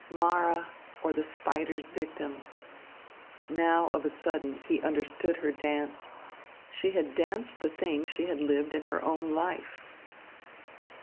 "Mara, or the Spider's Victim." Now, of a sudden, he understood her dance! She had danced the thing she had lived in her own life!